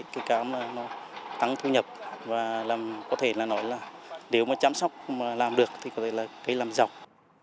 cây cam nó tăng thu nhập và có thể là nói là nếu mà chăm sóc mà làm được thì có thể là cái làm rộng